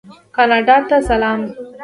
کاناډا ته سلام.